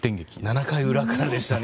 ７回裏からでしたね。